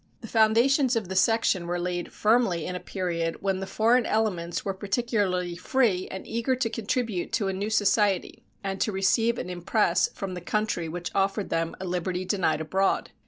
The foundations of the section were laid firmly in a period when the foreign elements were particularly free and eager to contribute to a new society and to receive an impress from the country which offered them a liberty denied abroad.